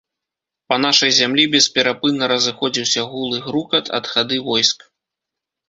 Па нашай зямлі бесперапынна разыходзіўся гул і грукат ад хады войск.